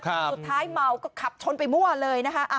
เมาก็ขับชนไปมั่วเลยนะคะ